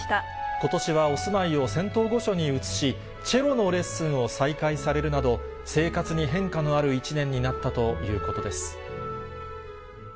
ことしはお住まいを仙洞御所に移し、チェロのレッスンを再開されるなど、生活に変化のある一年になったということです。